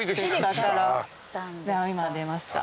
今出ました。